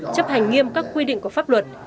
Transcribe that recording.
chấp hành nghiêm các quy định của pháp luật